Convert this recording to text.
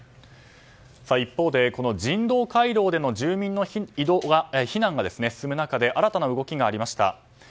一方で人道回廊での住民の避難が進む中で新たな動きがありました。